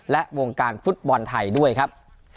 และวงการฟุตบอลไทยด้วยครับ